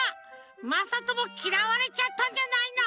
まさともきらわれちゃったんじゃないの？